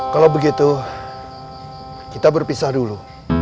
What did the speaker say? kalau begitu kita berpisah dulu